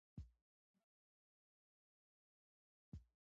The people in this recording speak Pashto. باران لوبه ځنډولای سي.